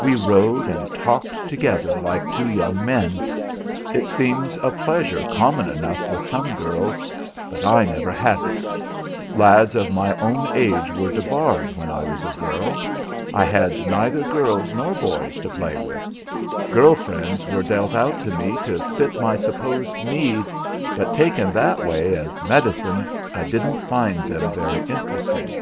We rode and talked together like two young men. It seems a pleasure common enough with some girls, but I never had it; lads of my own age were debarred when I was a girl. I had neither girls nor boys to play with. Girl friends were dealt out to me to fit my supposed needs, but taken that way as medicine I didn't find them very interesting.